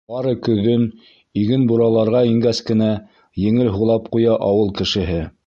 Бары көҙөн, иген бураларға ингәс кенә, еңел һулап ҡуя ауыл кешеһе.